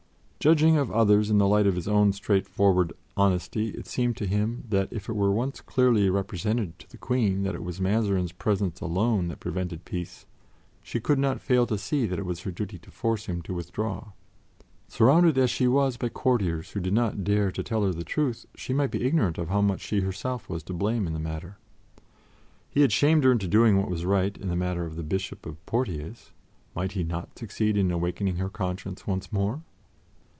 Judging of others in the light of his own straightforward honesty, it seemed to him that if it were once clearly represented to the Queen that it was Mazarin's presence alone that prevented peace, she could not fail to see that it was her duty to force him to withdraw. Surrounded as she was by courtiers who did not dare to tell her the truth, she might be ignorant of how much she herself was to blame in the matter. He had shamed her into doing what was right in the matter of the Bishop of Poitiers. Might he not succeed in awakening her conscience once more?